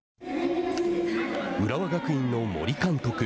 浦和学院の森監督。